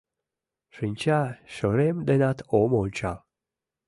Шинча шӧрем денат ом ончал.